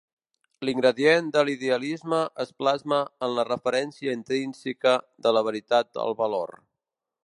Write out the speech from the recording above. L'ingredient de l'idealisme es plasma en la referència intrínseca de la veritat al valor.